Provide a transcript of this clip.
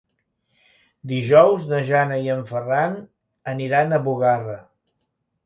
Dijous na Jana i en Ferran aniran a Bugarra.